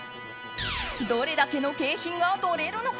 どれだけの景品が取れるのか。